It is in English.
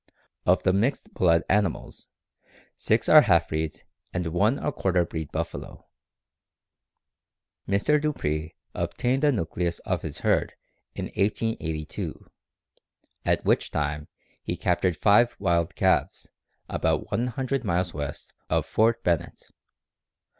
Of the mixed blood animals, six are half breeds and one a quarter breed buffalo. Mr. Dupree obtained the nucleus of his herd in 1882, at which time he captured five wild calves about 100 miles west of Fort Bennett.